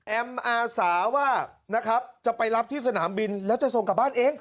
แอมป์อาสาว่าจะไปรับที่สนามบินแล้วจะส่งกลับบ้านเอง